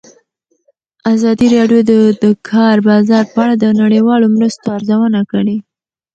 ازادي راډیو د د کار بازار په اړه د نړیوالو مرستو ارزونه کړې.